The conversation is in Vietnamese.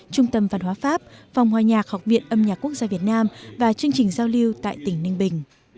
trung tâm văn hóa pháp phòng hòa nhạc học viện âm nhạc quốc gia việt nam và chương trình giao lưu tại tỉnh ninh bình